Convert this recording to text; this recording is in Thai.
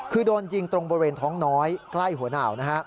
คือโดนยิงตรงบริเวณท้องน้อยใกล้หัวหนาวนะฮะ